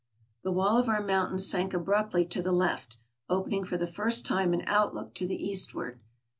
The wall of our mountain sank abruptly to the left, open ing for the first time an outlook to the eastward.